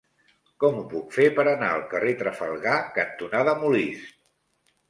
Com ho puc fer per anar al carrer Trafalgar cantonada Molist?